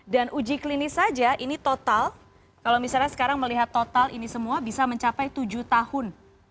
dan uji klinis saja ini total kalau misalnya sekarang melihat total ini semua bisa mencapai tujuh tahun